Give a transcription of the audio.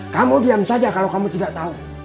kamu diam saja kalau kamu tidak tahu